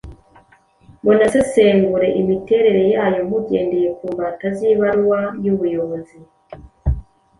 munasesengure imiterere yayo mugendeye ku mbata y’ibaruwa y’ubuyobozi.